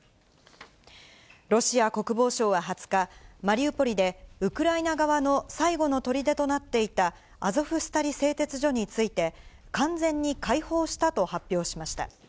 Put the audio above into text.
ロシア国防省は２０日、マリウポリで、ウクライナ側の最後のとりでとなっていたアゾフスタリ製鉄所について、完全に解放したと発表しました。